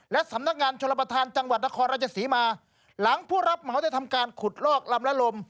และสำนักงานชนประธานจังหวัดนครราชศรีมาหลังผู้รับเหมาได้ทำการขุดลอกลำละลม